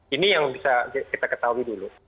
ini yang bisa kita ketahui dulu